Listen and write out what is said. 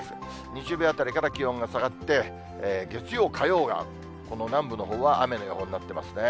日曜日あたりから気温が下がって、月曜、火曜がこの南部のほうは雨の予報になっていますね。